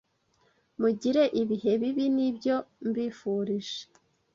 Mugire ibihe bibi nibyo mbifurije